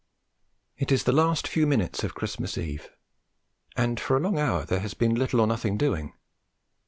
It is the last few minutes of Christmas Eve, and for a long hour there has been little or nothing doing.